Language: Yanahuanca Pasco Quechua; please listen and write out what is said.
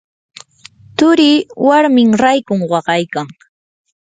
turii warmin raykun waqaykan.